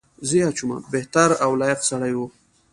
بهتر او لایق سړی وو.